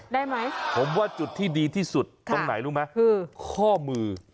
ได้ไหมผมว่าจุดที่ดีที่สุดตรงไหนรู้ไหมคือข้อมือ